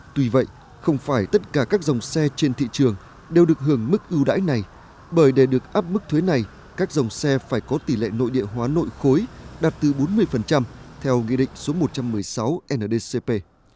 tuy vậy không phải tất cả các dòng xe trên thị trường đều được hưởng mức ưu đãi này bởi để được áp mức thuế này các dòng xe phải có tỷ lệ nội địa hóa nội khối đạt từ bốn mươi theo nghị định số một trăm một mươi sáu ndcp